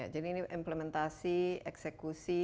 jadi ini implementasi eksekusi